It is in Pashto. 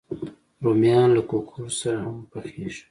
رومیان له کوکرو سره هم پخېږي